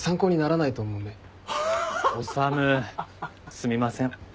すみません。